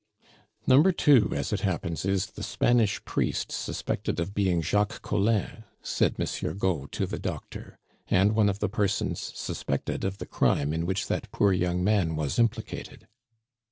"Number 2, as it happens, is the Spanish priest suspected of being Jacques Collin," said Monsieur Gault to the doctor, "and one of the persons suspected of the crime in which that poor young man was implicated."